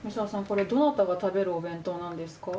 これどなたが食べるお弁当なんですか？